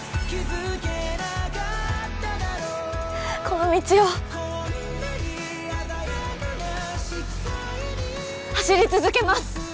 この道を走り続けます！